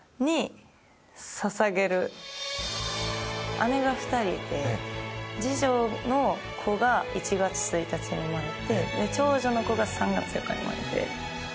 姉が２人いて次女の子が１月１日に生まれて長女の子が３月４日に生まれて。